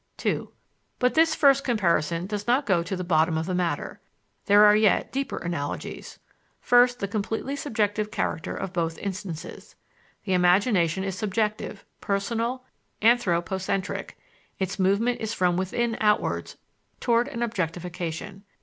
2. But this first comparison does not go to the bottom of the matter; there are yet deeper analogies. First, the completely subjective character of both instances. The imagination is subjective, personal, anthropocentric; its movement is from within outwards toward an objectification.